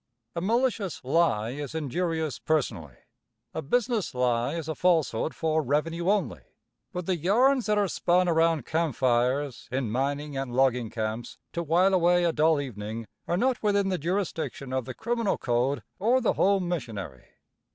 A malicious lie is injurious personally. A business lie is a falsehood for revenue only. But the yarns that are spun around camp fires, in mining and logging camps, to while away a dull evening, are not within the jurisdiction of the criminal code or the home missionary.